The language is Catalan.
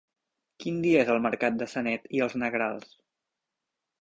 Quin dia és el mercat de Sanet i els Negrals?